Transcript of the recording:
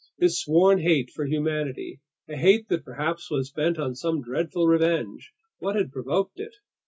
His sworn hate for humanity, a hate that perhaps was bent on some dreadful revenge—what had provoked it?